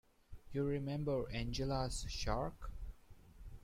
You remember Angela's shark?